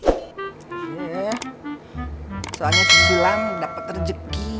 eh soalnya si silam dapat rezeki